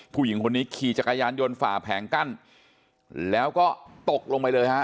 ผู้หญิงคนนี้ขี่จักรยานยนต์ฝ่าแผงกั้นแล้วก็ตกลงไปเลยฮะ